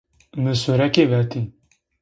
Mı sureki veti.